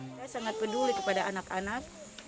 saya sangat peduli kepada anak anak